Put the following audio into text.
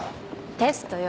テストよ。